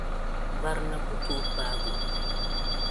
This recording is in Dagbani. barina ku tooi paagi o.